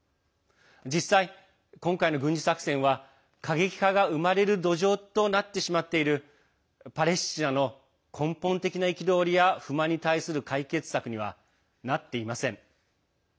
実際、今回の軍事作戦は過激派が生まれる土壌となってしまっているパレスチナの根本的な憤りや不満に対する解決策にはなっていません。